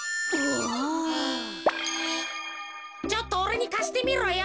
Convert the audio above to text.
ちょっとおれにかしてみろよ。